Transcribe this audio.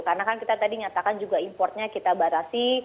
karena kan kita tadi nyatakan juga importnya kita batasi